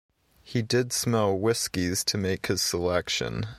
He did smell whiskies to make his selection.